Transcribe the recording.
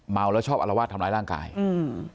เมาแล้วชอบอลวาดทำร้ายร่างกายอืม